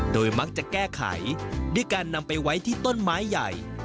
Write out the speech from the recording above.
โดยมักจะแก้ไขด้วยการนำไปไว้ที่ต้นไม้ใหญ่